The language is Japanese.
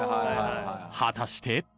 ［果たして？］